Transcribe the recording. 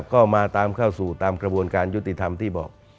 ก็มาตามเข้าสู่ตามกระบวนการยุติธรรมที่บอก